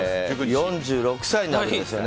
４６歳になるんですよね。